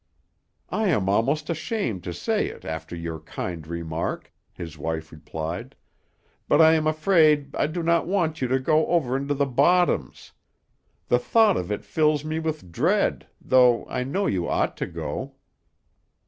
"I am almost ashamed to say it after your kind remark," his wife replied, "but I am afraid I do not want you to go over into the bottoms. The thought of it fills me with dread, though I know you ought to go."